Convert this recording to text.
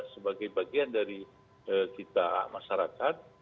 sebagai bagian dari kita masyarakat